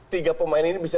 tiga pemain ini